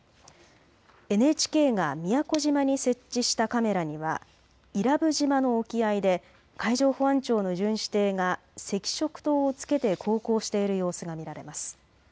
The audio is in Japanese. ＮＨＫが宮古島に設置したカメラには伊良部島の沖合で海上保安庁の巡視艇が赤色灯をつけて航行している様子が見られます。